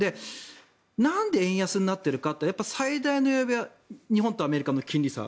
なんで円安になっているかと言ったら、最大の理由は日本とアメリカの金利差。